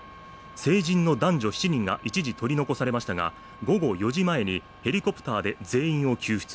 成人の男女７人が一時、取り残されましたが、午後４時前にヘリコプターで全員を救出。